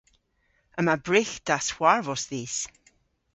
Yma brygh dashwarvos dhis.